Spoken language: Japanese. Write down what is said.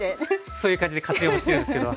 そういう感じで勝手に干してるんですけど。